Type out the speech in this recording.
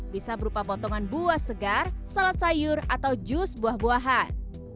bisa berupa potongan buah segar salad sayur atau jus buah buahan